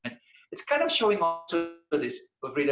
ini juga menunjukkan keberadaan kita